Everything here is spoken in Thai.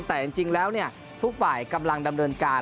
แต่จริงแล้วทุกฝ่ายกำลังดำเนินการ